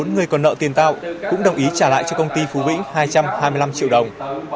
bốn người còn nợ tiền tạo cũng đồng ý trả lại cho công ty phú vĩnh hai trăm hai mươi năm triệu đồng